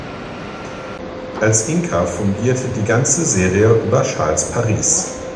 Als Inker fungierte die ganze Serie über Charles Paris.